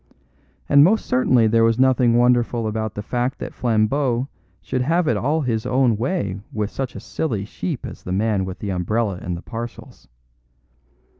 And most certainly there was nothing wonderful about the fact that Flambeau should have it all his own way with such a silly sheep as the man with the umbrella and the parcels.